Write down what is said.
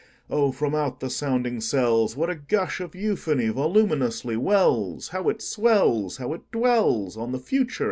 Oh, from out the sounding cells, What a gush of euphony voluminously wells! How it swells! How it dwellsOn the Future!